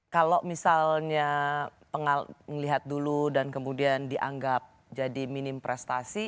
kalau misalnya melihat dulu dan kemudian dianggap jadi minim prestasi